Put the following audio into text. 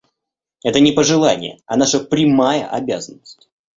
Это не пожелание, а наша прямая обязанность.